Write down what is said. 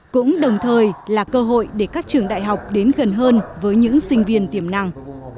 cũng đồng thời là cơ hội để các trường đại học đến gần hơn với những sinh viên tiềm năng